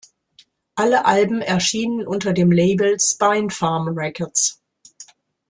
Alle Alben erschienen unter dem Label "Spinefarm Records".